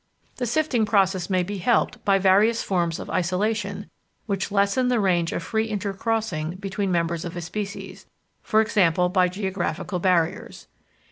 The sifting process may be helped by various forms of "isolation" which lessen the range of free intercrossing between members of a species, e.g. by geographical barriers.